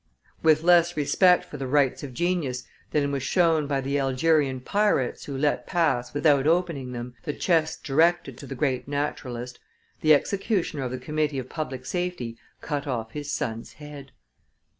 With less respect for the rights of genius than was shown by the Algerian pirates who let pass, without opening them, the chests directed to the great naturalist, the executioner of the Committee of public safety cut off his son's head.